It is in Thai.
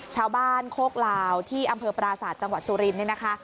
ชาวบ้านโคกราวที่อำเภอปราศาสตร์จังหวัดสุรินทร์